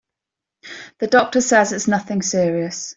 The doctor says it's nothing serious.